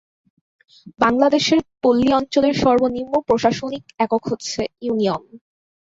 বাংলাদেশের পল্লী অঞ্চলের সর্বনিম্ন প্রশাসনিক একক হচ্ছে ইউনিয়ন।